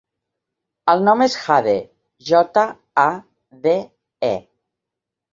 El nom és Jade: jota, a, de, e.